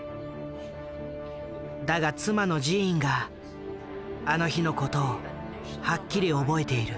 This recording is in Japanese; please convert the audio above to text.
だが妻のジーンがあの日の事をはっきり覚えている。